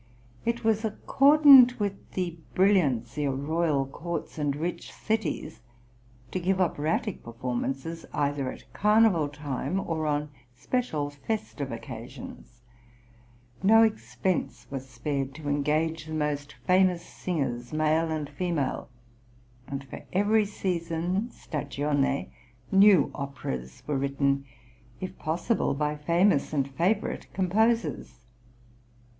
It was accordant with the brilliancy of royal courts and rich cities to give operatic performances either at Carnival time or on special festive occasions; no expense was spared to engage the most famous singers, male and female, and for every season (stagione) new operas were written, if possible by famous and favourite composers.